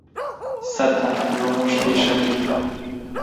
Satan, l’ange échappé